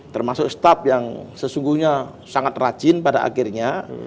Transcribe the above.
termasuk staff yang sesungguhnya sangat rajin pada akhirnya